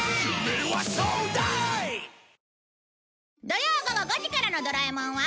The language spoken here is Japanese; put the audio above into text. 土曜午後５時からの『ドラえもん』は